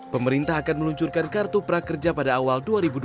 pemerintah akan meluncurkan kartu prakerja pada awal dua ribu dua puluh